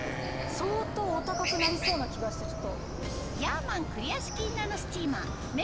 相当お高くなりそうな気がしてちょっと。